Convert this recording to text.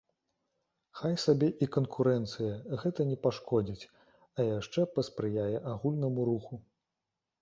Хай сабе і канкурэнцыя, гэта не пашкодзіць, а яшчэ паспрыяе агульнаму руху.